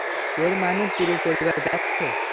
এর মানে পুরো পরিবার ব্যর্থ।